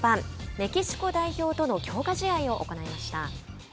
メキシコ代表との強化試合を行いました。